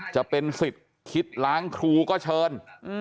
จะเป็นสิทธิ์คิดล้างครูก็เชิญ